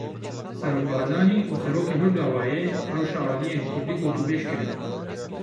Serok Barzanî û Serokê Hur Davayê rewşa aliyên kurdî gotûbêj kirin.